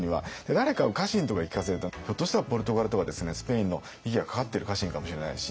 誰か家臣とかに聞かせるとひょっとしたらポルトガルとかですねスペインの息がかかってる家臣かもしれないし。